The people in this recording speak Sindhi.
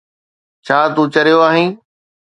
ڇا تون چريو آهين؟